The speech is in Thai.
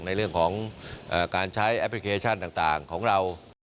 ในเรื่องของการใช้แอปพลิเคชันต่างของเรา